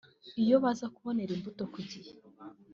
iyo baza kubonera imbuto ku gihe